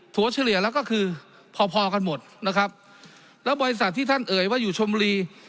เฉลี่ยแล้วก็คือพอพอกันหมดนะครับแล้วบริษัทที่ท่านเอ่ยว่าอยู่ชมรี